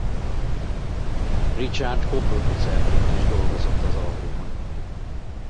Richard co-producerként is dolgozott az albumon.